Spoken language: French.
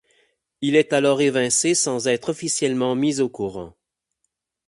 Il est alors évincé sans en être officiellement mis au courant.